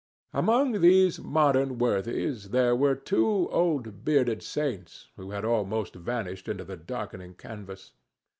Among these modern worthies there were two old bearded saints who had almost vanished into the darkening canvas.